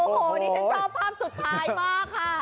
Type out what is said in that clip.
โอ้โหดิฉันชอบภาพสุดท้ายมากค่ะ